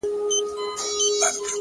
لوړ لید محدودیتونه کوچني ښيي؛